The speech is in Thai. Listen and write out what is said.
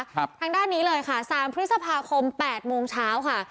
ทางด้านนี้เลยค่ะสามพฤษภาคมแปดโมงเช้าค่ะ